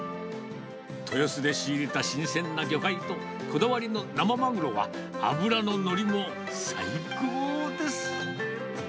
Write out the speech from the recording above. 豊洲で仕入れた新鮮な魚介とこだわりの生マグロは、脂の乗りも最高です。